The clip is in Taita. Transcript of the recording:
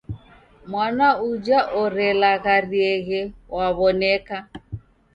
Mwana uja orelagharieghe waw'oneka.